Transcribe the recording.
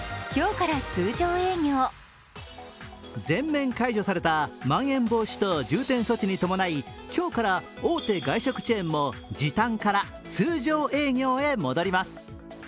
全面解除されたまん延防止等重点措置に伴い今日から大手外食チェーンも時短から通常営業へ戻ります。